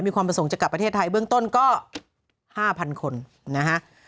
ความประสงค์จะกลับประเทศไทยเบื้องต้นก็๕๐๐คนนะฮะ